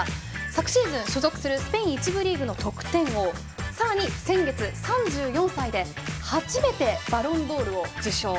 昨シーズン、所属するスペイン１部リーグの得点王さらに先月、３４歳で初めてバロンドールを受賞。